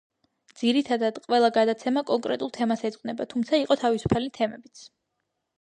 ძირითადად, ყველა გადაცემა კონკრეტულ თემას ეძღვნება, თუმცა იყო თავისუფალი თემებიც.